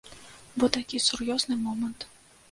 Бо такі сур'ёзны момант.